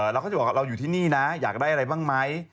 เราก็จะบอกว่าเราอยู่ที่นี่นะอยากได้อะไรบ้างไหม